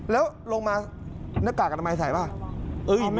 แล้วลงมาหน้ากากอัตโนมัยใส่ไหม